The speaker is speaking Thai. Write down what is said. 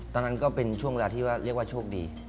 ตอนนั้นก็เป็นช่วงเวลาที่ว่าเรียกว่าโชคดี